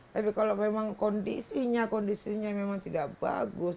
tapi kalau memang kondisinya kondisinya memang tidak bagus